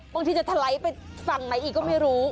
บางทีจะถลายไปฝั่งไหนอีกก็ไม่รู้